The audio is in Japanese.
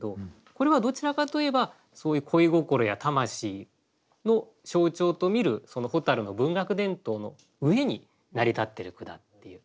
これはどちらかといえばそういう恋心や魂の象徴と見る蛍の文学伝統の上に成り立ってる句だっていう。